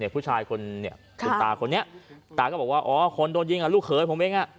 ผู้ชายคนนี้คุณตาคนนี้ตาก็บอกว่าอ๋อคนโดนยิงลูกเขยผมเอง